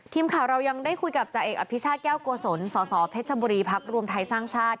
ทีมข่าวเรายังได้คุยกับจ่าเอกอภิชาติแก้วโกศลสสเพชรบุรีพักรวมไทยสร้างชาติ